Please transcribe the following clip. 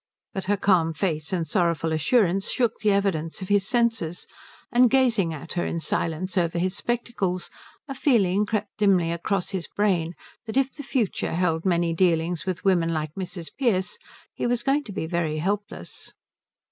But her calm face and sorrowful assurance shook the evidence of his senses, and gazing at her in silence over his spectacles a feeling crept dimly across his brain that if the future held many dealings with women like Mrs. Pearce he was going to be very helpless.